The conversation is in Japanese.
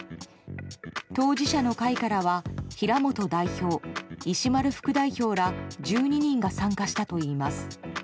当事者の会からは平本代表、石丸副代表ら１２人が参加したといいます。